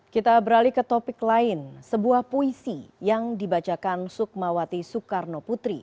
kita beralih ke topik lain sebuah puisi yang dibacakan sukmawati soekarno putri